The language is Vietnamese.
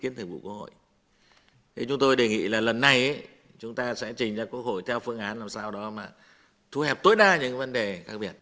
chúng tôi đề nghị là lần này chúng ta sẽ trình ra quốc hội theo phương án làm sao đó mà thu hẹp tối đa những vấn đề khác biệt